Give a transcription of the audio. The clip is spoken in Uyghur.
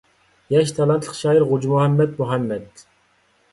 ياش، تالانتلىق شائىر غوجىمۇھەممەد مۇھەممەد